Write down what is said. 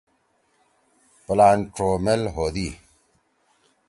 پلانڇو مئیل بودی۔